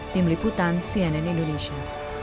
tim liputan cnn indonesia